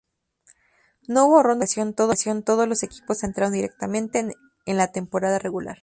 No hubo ronda de calificación, todos los equipos entraron directamente en la temporada regular.